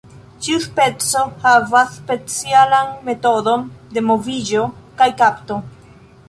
Ĉiu speco havas specialan metodon de moviĝo kaj kapto.